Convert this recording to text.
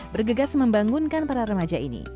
bergegas membangunkan para remaja ini